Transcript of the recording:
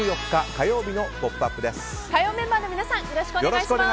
火曜メンバーの皆さんよろしくお願いします。